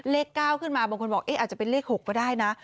เลขเก้าขึ้นมาบางคนบอกเอ๊ะอาจจะเป็นเลขหกก็ได้น่ะ